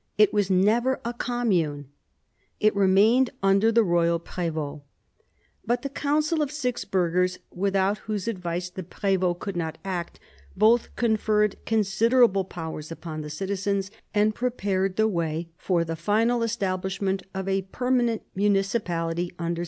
It was never a commune : it remained under the royal prev6t. But the council of six burghers, without whose advice the prev6t could not act, both conferred considerable powers upon the citizens, and prepared the way for the final establishment of a permanent municipality under S.